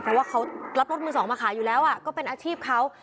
เพราะว่าเขารับรถมือสองมาขายอยู่แล้วก็เป็นอาชีพเขา